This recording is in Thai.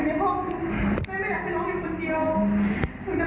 คุณบีก็ผิดผ้าเพราะว่าคุณบีก็ผิดผ้า